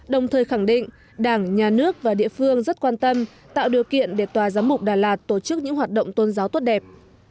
đồng thời khẳng định đảng nhà nước và địa phương rất quan tâm tạo điều kiện để tòa giám mục đà lạt tổ chức những hoạt động tôn giáo tốt đẹp